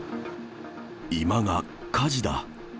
居間が火事だ。